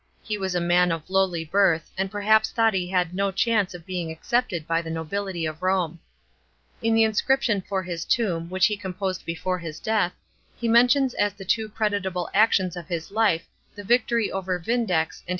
He was a man of lowly birth, and perhnps thought tiiat he had no chance ol being accepted by the nobility of Rome. In the inscrip tion for his tomb, which he compose d before his death, he mentions as the two creditable actions of his life his victory over Vindex and his refusal of the Empip